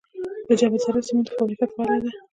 د جبل السراج سمنټو فابریکه فعاله ده؟